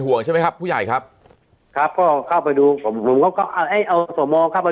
ห่วงใช่ไหมครับผู้ใหญ่ครับครับพ่อเข้าไปดูเอาสวมอลเข้าไป